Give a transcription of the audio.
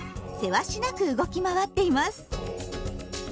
せわしなく動き回っています。